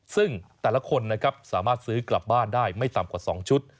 ซึ่งแต่ละคนนะครับสามารถซื้อกลับบ้านได้ไม่ต่ำกว่า๒ชุด